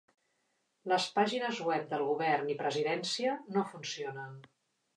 Les pàgines web del govern i presidència no funcionen.